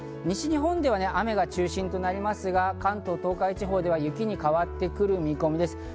西日本では雨が中心となりますが、関東・東海地方では雪に変わってくる見込みです。